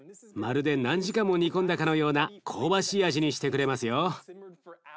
まるで何時間も煮込んだかのような香ばしい味にしてくれますよ。